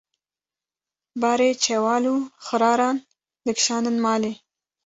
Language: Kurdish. barê çewal û xiraran dikşandin malê.